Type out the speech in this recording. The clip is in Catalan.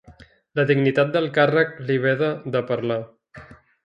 La dignitat del càrrec li veda de parlar.